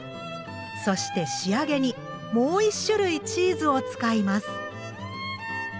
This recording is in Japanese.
そして仕上げにもう一種類チーズを使います。